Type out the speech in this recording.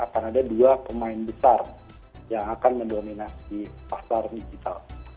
akan ada dua pemain besar yang akan mendominasi pasar digital